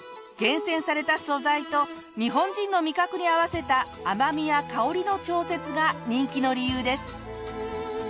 厳選された素材と日本人の味覚に合わせた甘味や香りの調節が人気の理由です。